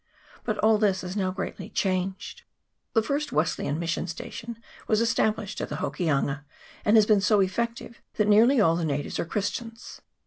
But all this is now greatly changed. The first Wesleyan mission station was esta blished at the Hokianga, and has been so effective that nearly all the natives are Christians.